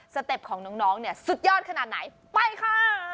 สเต็ปของเนี้ยสุดยอดขนาดไหนฮ่า